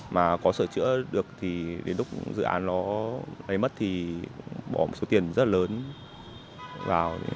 mà có sửa chữa được thì đến lúc dự án nó máy mất thì bỏ một số tiền rất lớn vào